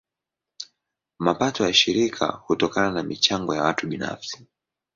Mapato ya shirika hutokana na michango ya watu binafsi.